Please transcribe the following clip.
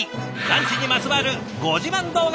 ランチにまつわるご自慢動画